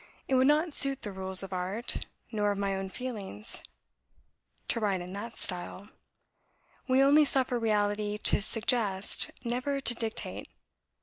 It would not suit the rules of art, nor of my own feelings; to write in that style. We only suffer reality to SUGGEST, never to DICTATE.